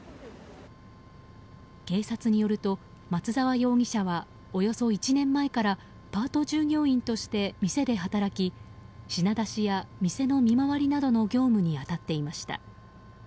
警察によると、松沢容疑者はおよそ１年前からパート従業員として店で働き品出しや、店の見回りなどの業務に当たっていました。